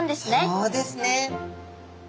そうですね。